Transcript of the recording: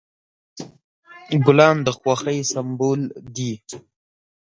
ګلان د خوښۍ سمبول دي.